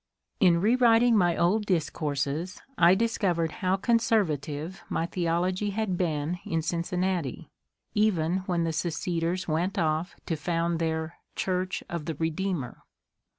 In rewriting my old discourses I discovered how conservative my theology had been in Cincinnati, even when the seceders went off to found their '^ Church of the Redeemer."